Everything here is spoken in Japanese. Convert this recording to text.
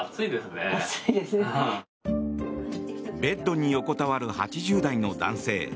ベッドに横たわる８０代の男性。